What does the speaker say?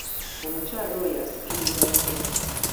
Omukyala oyo asikiriza nnyo.